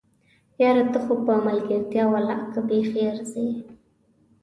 یاره! ته خو په ملګرتيا ولله که بیخي ارځې!